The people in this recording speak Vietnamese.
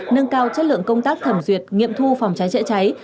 nâng cao chất lượng công tác thẩm duyệt nghiệm thu phòng cháy chữa cháy